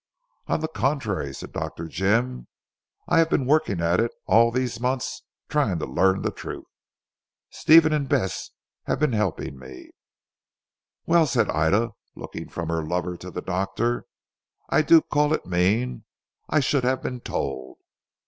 "On the contrary," said Dr. Jim, "I have been working at it all these months trying to learn the truth. Stephen and Bess have been helping me." "Well," said Ida, looking from her lover to the doctor, "I do call it mean. I should have been told."